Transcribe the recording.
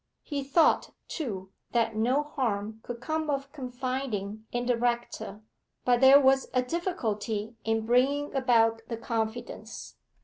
He thought, too, that no harm could come of confiding in the rector, but there was a difficulty in bringing about the confidence.